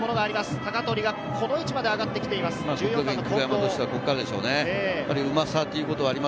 鷹取がこの位置まで上がっています。